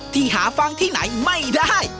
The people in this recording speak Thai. ที่หาฟังที่ไหนไม่ได้